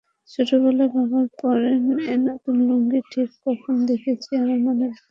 ছোটবেলায় বাবার পরনে নতুন লুঙ্গি ঠিক কখন দেখেছি আমার মনে পড়ে না।